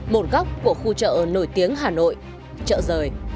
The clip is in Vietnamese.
một góc của khu chợ nổi tiếng hà nội chợ rời